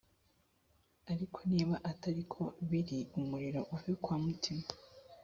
ariko niba atari ko biri umuriro uve kwamutima